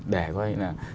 để có nghĩa là